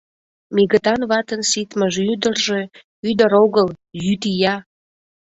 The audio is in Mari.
Мигытан ватын ситмыж ӱдыржӧ — ӱдыр огыл, йӱд ия!